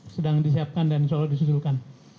sedang disiapkan dan insya allah disusulkan